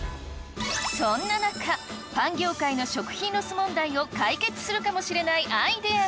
そんな中パン業界の食品ロス問題を解決するかもしれないアイデアが！